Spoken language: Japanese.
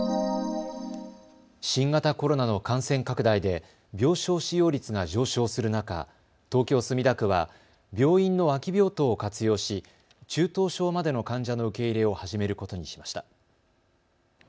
新型コロナの感染拡大で病床使用率が上昇する中、東京墨田区は病院の空き病棟を活用し中等症までの患者の受け入れを始めることにしました。